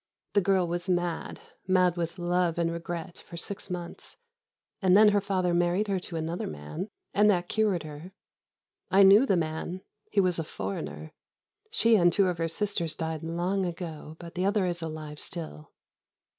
The girl was mad, mad with love and regret for six months; and then her father married her to another man, and that cured her. I knew the man: he was a foreigner. She and two of her sisters died long ago, but the other is alive still.